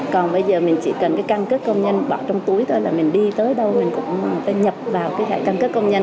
còn bây giờ mình chỉ cần cái căn cước công nhân bỏ trong túi thôi là mình đi tới đâu mình cũng người ta nhập vào cái thẻ căn cước công nhân